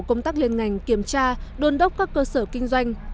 công tác liên ngành kiểm tra đôn đốc các cơ sở kinh doanh